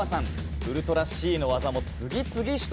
ウルトラＣの技も次々、習得。